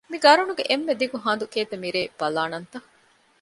މި ގަރުނުގެ އެންމެ ދިގު ހަނދު ކޭތަ މިރޭ، ބަލާނަންތަ؟